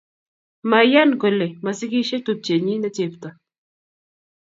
maiyan kole masikisie tupchenyin ne chepto